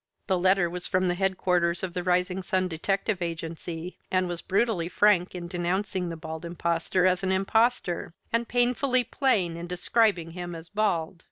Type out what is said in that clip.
The letter was from the Headquarters of the Rising Sun Detective Agency, and was brutally frank in denouncing the Bald Impostor as an impostor, and painfully plain in describing him as bald.